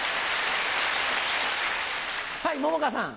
はい桃花さん。